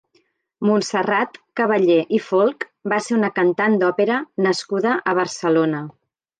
Montserrat Caballé i Folch va ser una cantant d'òpera nascuda a Barcelona.